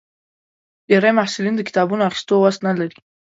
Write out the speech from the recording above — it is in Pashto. ډېری محصلین د کتابونو اخیستو وس نه لري.